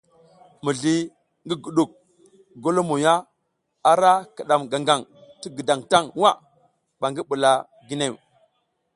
Mizli ngi guɗuk golomoya ara kiɗam gangaŋ ti gǝdaŋ taŋ nwa ɓa ngi ɓula ginew.